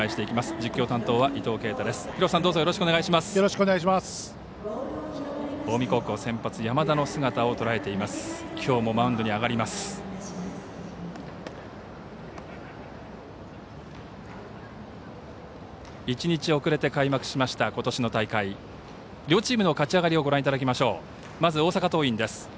きょうもマウンドに上がります。